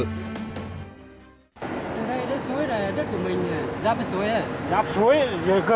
đến đây đất suối là đất của mình giáp với suối hả